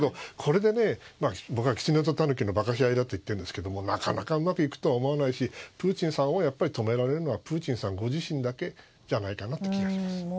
これで僕はキツネとタヌキのばかし合いと言ってるんですけどなかなかうまくいくとは思わないしプーチンさんを止められるのはプーチンさんご自身だけじゃないかという気がします。